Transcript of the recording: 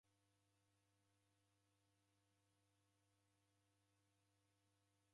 Nasow'a itumbulio jha ikoto jhako